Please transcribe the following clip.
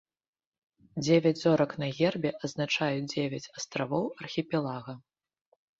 Дзевяць зорак на гербе азначаюць дзевяць астравоў архіпелага.